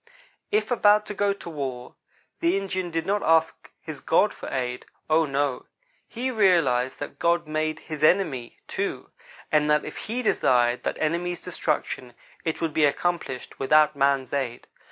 If about to go to war, the Indian did not ask his God for aid oh, no. He realized that God made his enemy, too; and that if He desired that enemy's destruction, it would be accomplished without man's aid.